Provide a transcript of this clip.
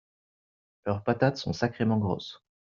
leurs patates sont sacrément grosses.